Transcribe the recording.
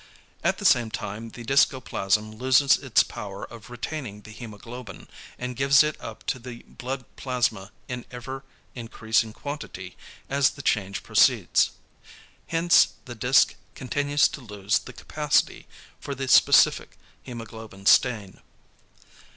At the same time the discoplasm loses its power of retaining the hæmoglobin, and gives it up to the blood plasma in ever increasing quantity as the change proceeds. Hence the disc continues to lose the capacity for the specific hæmoglobin stain.